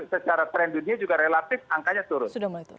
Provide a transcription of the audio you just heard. secara tren dunia juga relatif angkanya turun